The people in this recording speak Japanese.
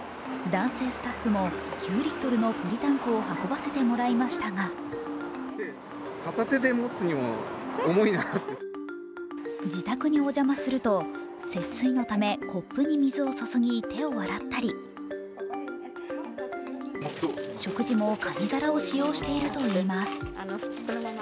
男性スタッフも９リットルのポリタンクを運ばせてもらいましたが自宅にお邪魔すると、節水のためコップに水を注ぎ手を洗ったり食事も紙皿を使用しているといいます。